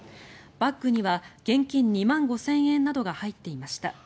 バッグには現金２万５０００円などが入っていました。